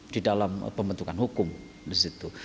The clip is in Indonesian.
di dalam pembentukan hukum di situ